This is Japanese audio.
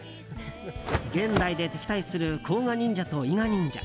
現代で敵対する甲賀忍者と伊賀忍者。